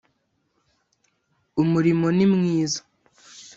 umurimo ni mwiza